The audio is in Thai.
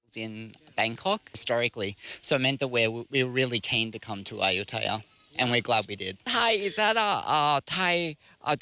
คุณขอถามเกิดมีวัสดิ์ไหม